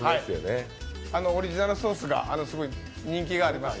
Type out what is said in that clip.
オリジナルソースがすごい人気があります。